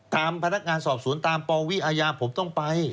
ตามพนักงานสอบสวนตามปวิอาญาผมต้องไป